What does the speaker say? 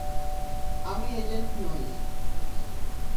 আমি এজেন্ট নই।